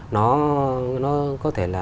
nó có thể là